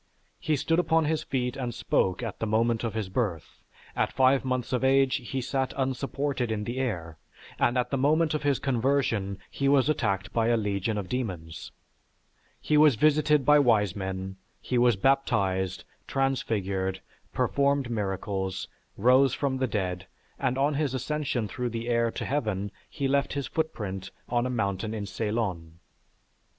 He stood upon his feet and spoke at the moment of his birth; at five months of age he sat unsupported in the air; and at the moment of his conversion he was attacked by a legion of demons. He was visited by wise men, he was baptized, transfigured, performed miracles, rose from the dead, and on his ascension through the air to heaven, he left his footprint on a mountain in Ceylon.